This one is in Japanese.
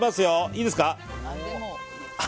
いいですか。